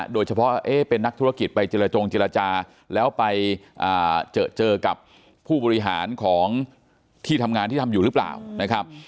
โดยเฉพาะเป็นนักธุรกิจไปเจรจงเจรจาแล้วไปเจอกับผู้บริหารของที่ทำงานที่ทำอยู่หรือเปล่านะครับ